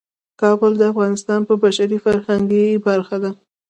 کابل د افغانستان د بشري فرهنګ برخه ده.